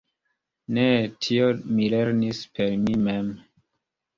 Ne, tion mi lernis per mi mem.